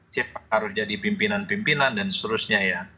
siapa harus jadi pimpinan pimpinan dan seterusnya ya